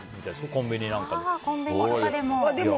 コンビニなんかでも。